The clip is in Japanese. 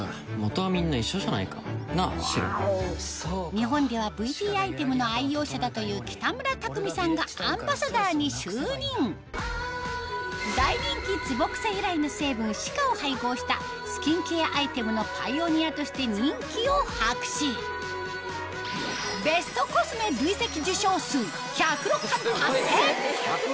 日本ではＶＴアイテムの愛用者だという北村匠海さんがアンバサダーに就任大人気を配合したスキンケアアイテムのパイオニアとして人気を博しベストコスメ累積受賞数１０６冠達成！